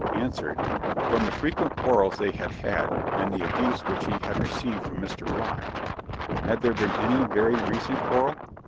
answered, 'From the frequent quarrels they had had, and the abuse which he had received from Mr. Bligh.' 'Had there been any very recent quarrel?'